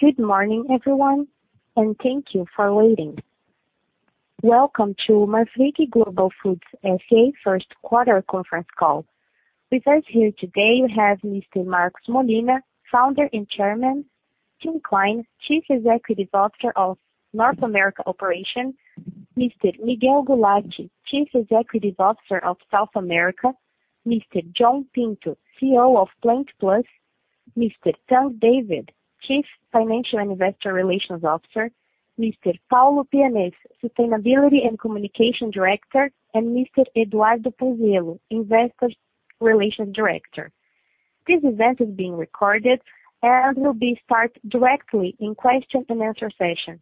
Good morning, everyone, and thank you for waiting. Welcome to Marfrig Global Foods S.A. first quarter conference call. With us here today we have Mr. Marcos Molina, Founder and Chairman, Tim Klein, Chief Executive Officer of North America Operation, Mr. Miguel Gularte, Chief Executive Officer of South America, Mr. John Pinto, CEO of PlantPlus, Mr. Tang David, Chief Financial Investor Relations Officer, Mr. Paulo Pianez, Sustainability and Communication Director, and Mr. Eduardo Puzziello, Investor Relations Director. This event is being recorded and will be start directly in question and answer session.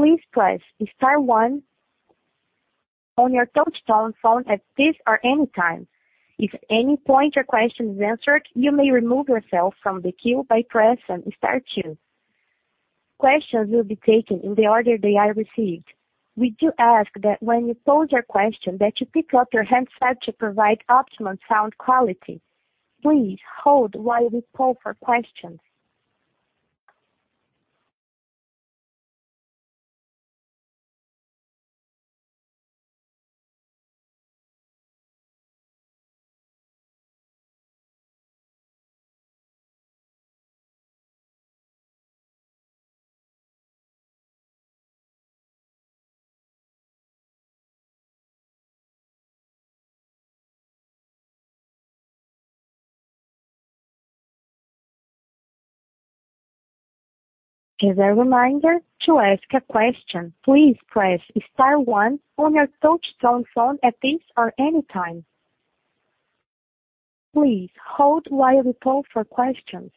If at any point your question is answered, you may remove yourself from the queue by pressing star two. Questions will be taken in the order they are received. We do ask that when you pose your question, that you pick up your handset to provide optimum sound quality. Please hold while we poll for questions. As a reminder, to ask a question, please press star one on your touchtone phone at this or any time. Please hold while we poll for questions.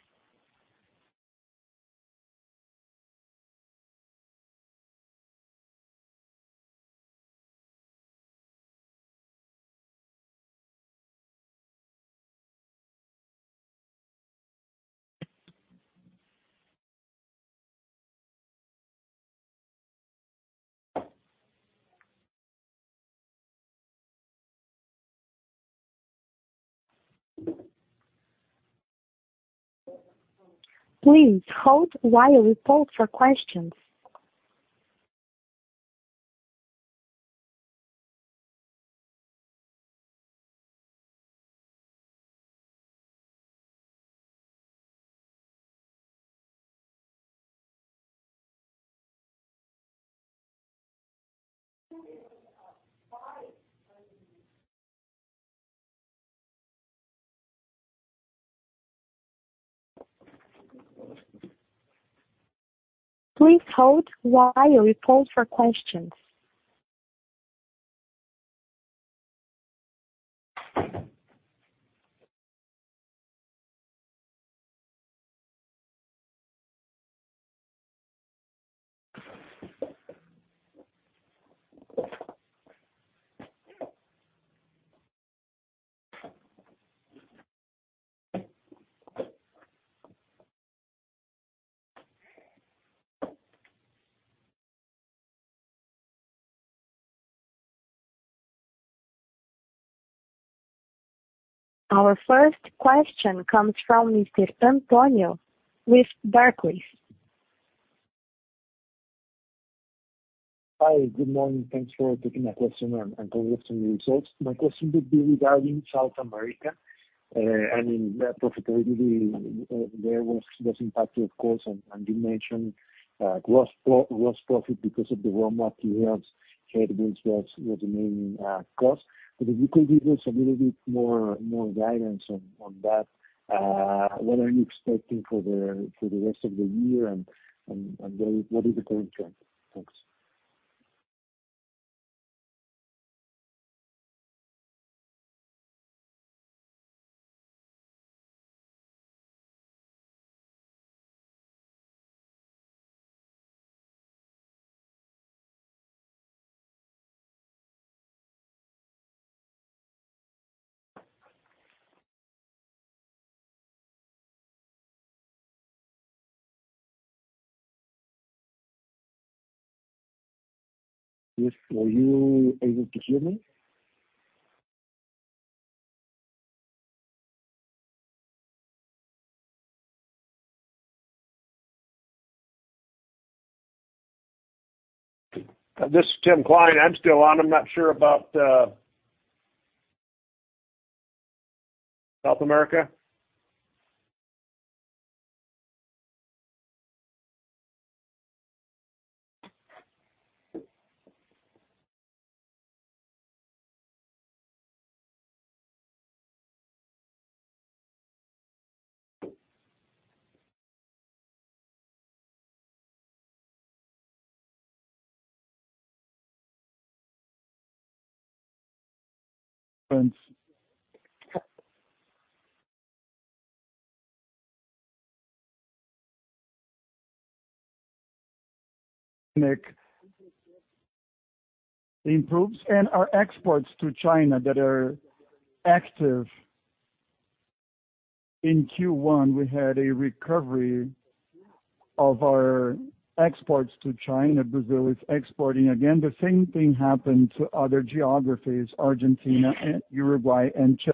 Please hold while we poll for questions. Our first question comes from Mr. Antonio with Barclays. Hi. Good morning. Thanks for taking my question and congratulations on the results. My question would be regarding South America and profitability there was impacted, of course, and you mentioned gross profit because of the raw materials headwinds was the main cause. If you could give us a little bit more guidance on that. What are you expecting for the rest of the year and what is the current trend? Thanks. Yes. Were you able to hear me? This is Tim Klein. I'm still on. I'm not sure about South America. Thanks. [Margins] Improves and our exports to China that are active. In Q1, we had a recovery of our exports to China. Brazil is exporting again. The same thing happened to other geographies, Argentina and Uruguay and Chile.